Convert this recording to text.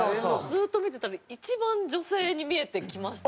ずっと見てたら一番女性に見えてきました